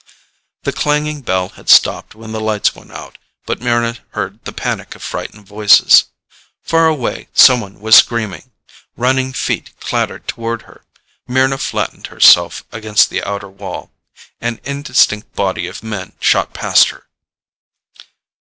The clanging bell had stopped when the lights went out, but Mryna heard the panic of frightened voices. Far away someone was screaming. Running feet clattered toward her. Mryna flattened herself against the outer wall. An indistinct body of men shot past her.